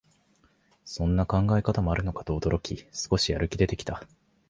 そんな考え方もあるのかと驚き、少しやる気出てきた